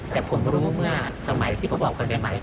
แต่ผมรู้เมื่อสมัยที่ผมออกไปใหม่